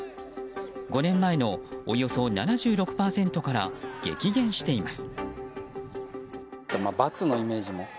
５年前のおよそ７６％から激減しています。